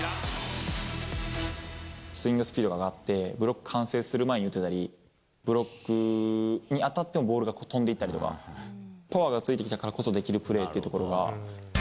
スイングスピードが上がって、ブロックが完成する前に打てたり、ブロックに当たってもボールが飛んでいったりとか、パワーがついたからこそできるプレーっていうところが。